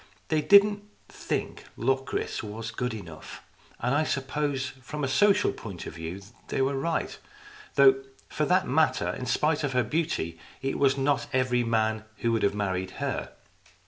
They didn't think Locris was good enough, and I suppose from a social point of view they were right, though, for that matter, in spite of her beauty, it was not every man who would have married her.